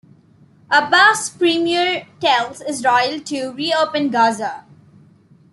Abbas's Premier Tells Israel to Reopen Gaza.